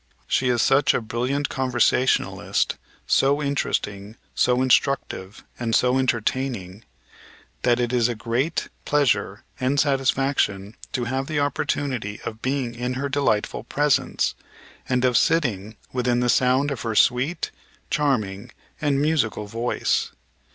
She is such a brilliant conversationalist, so interesting, so instructive and so entertaining, that it is a great pleasure and satisfaction to have the opportunity of being in her delightful presence, and of sitting within the sound of her sweet, charming, and musical voice.